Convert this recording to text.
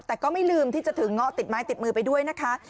แต่ก็ไม่ลืมที่จะถือเงาะติดไม้ติดมือไปด้วยนะคะ